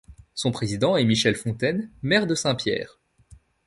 Son président est Michel Fontaine, maire de Saint-Pierre.